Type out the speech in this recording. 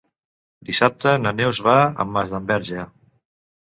Dissabte na Neus va a Masdenverge.